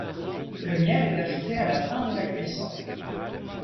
Le miel est ajouté à la fin de la cuisson.